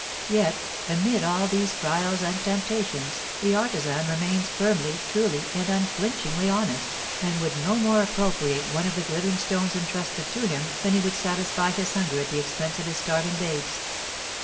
Yet, amid all these trials and temptations, the artisan remains firmly, truly, and unflinchingly honest, and would no more appropriate one of the glittering stones entrusted to him than he would satisfy his hunger at the expense of his starving babes.